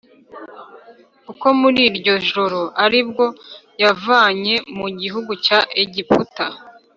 kuko muri iryo joro ari bwo yabavanye mu gihugu cya Egiputa